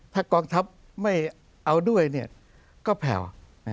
ถ้ากองทัพไม่เอาด้วยก็แผ่ว